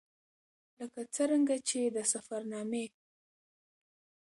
ـ لکه څرنګه چې د سفر نامې